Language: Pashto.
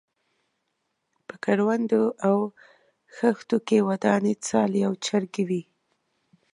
په کروندو او کښتو کې ودانې څالې او چرګۍ وې.